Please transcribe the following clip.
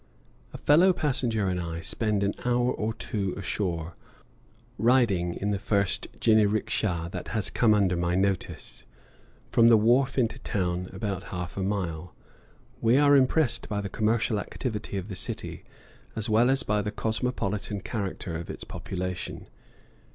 A fellow passenger and I spend an hour or two ashore, riding in the first jiniriksha that has come under my notice, from the wharf into town, about half a mile. We are impressed by the commercial activity of the city; as well as by the cosmopolitan character of its population.